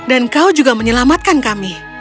dan kau juga menyelamatkan kami